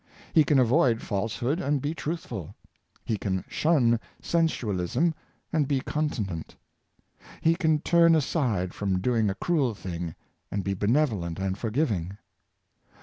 He can avoid falsehood^ and be truthful; he can shun sensualism, and be conti nent; he can turn aside from doing a, cruel thing, and be benevolent and forgiving.